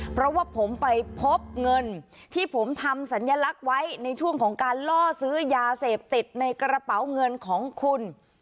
เพราะว่าผมไปพบเงินที่ผมทำสัญลักษณ์ไว้ในช่วงของการล่อซื้อยาเสพติดในกระเป๋าเงินของคุณ